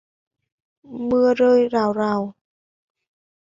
Mưa rơi rào rào